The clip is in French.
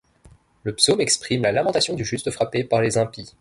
Le psaume exprime la lamentation du juste frappé par les impies.